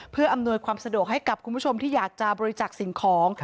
เพื่ออำนวยความสะดวกให้กับคุณผู้ชมที่อยากจะบริจักษ์สิ่งของ